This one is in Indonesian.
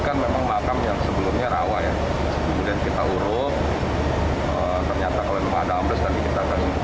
kan memang makam yang sebelumnya rawa ya kita urut ternyata kalau maada radeter kita